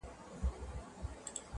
د تورو زلفو له ښامار سره مي نه لګیږي؛